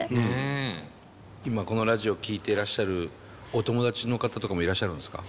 今このラジオ聴いてらっしゃるお友達の方とかもいらっしゃるんですか？